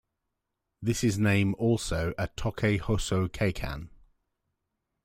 This is name also a Tokai Hoso Kaikan.